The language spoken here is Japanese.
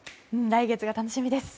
来月が楽しみです。